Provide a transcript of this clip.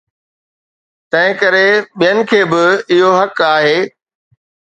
تنهنڪري ٻين کي به اهو حق آهي.